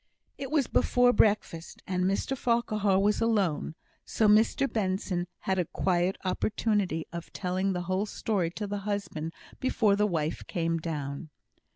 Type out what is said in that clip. It was before breakfast, and Mr Farquhar was alone; so Mr Benson had a quiet opportunity of telling the whole story to the husband before the wife came down.